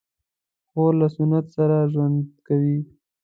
خور له سنت سره ژوند کوي.